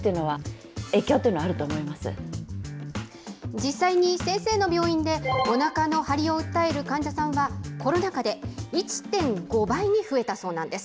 実際に先生の病院でおなかの張りを訴える患者さんは、コロナ禍で１．５倍に増えたそうなんです。